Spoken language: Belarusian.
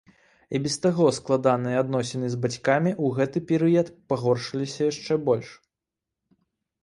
І без таго складаныя адносіны з бацькам у гэты перыяд пагоршыліся яшчэ больш.